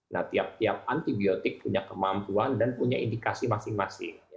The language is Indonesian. nah tiap tiap antibiotik punya kemampuan dan punya indikasi masing masing